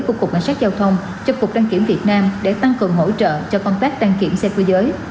của cục cảnh sát giao thông cho cục đăng kiểm việt nam để tăng cường hỗ trợ cho công tác đăng kiểm xe cơ giới